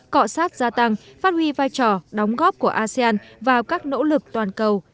cọ sát gia tăng phát huy vai trò đóng góp của asean vào các nỗ lực toàn cầu